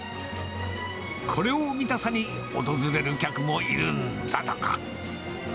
これを見たさに、訪れる客もいるんだとか。